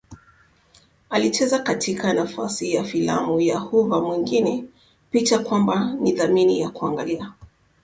alicheza katika nafasi ya filamu ya HooverMwingine picha kwamba ni thamani ya kuangalia